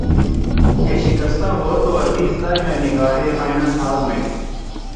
کہ شکستہ ہو تو عزیز تر ہے نگاہ آئنہ ساز میں